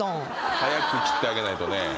早く切ってあげないとね。